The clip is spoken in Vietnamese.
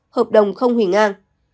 hợp đồng không hủy ngang